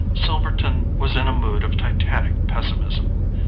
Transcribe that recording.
Silverton was in a mood of Titanic pessimism.